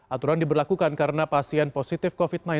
aturan diberlakukan karena pasien positif covid sembilan belas